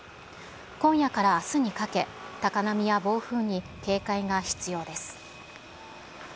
今夜からあすにかけ、高波や暴風に警戒が必要です。